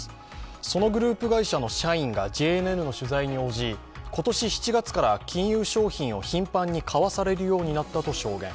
そのグループ会社の社員がＪＮＮの取材に応じ今年７月から金融商品を頻繁に買わされるようになったと証言。